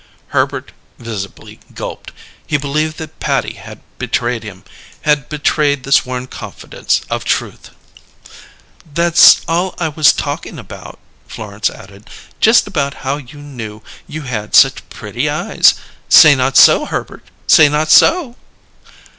Herbert visibly gulped. He believed that Patty had betrayed him; had betrayed the sworn confidence of "Truth!" "That's all I was talkin' about," Florence added. "Just about how you knew you had such pretty eyes. Say not so, Herbert! Say not so!"